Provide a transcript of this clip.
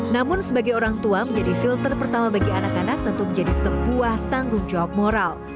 namun sebagai orang tua menjadi filter pertama bagi anak anak tentu menjadi sebuah tanggung jawab moral